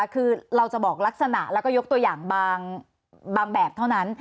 คือเราจะบอกลักษณะแล้วก็ยกตัวอย่างบางแบบเท่านั้น